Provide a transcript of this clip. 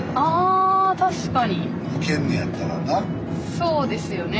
そうですよね。